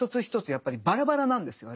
やっぱりバラバラなんですよ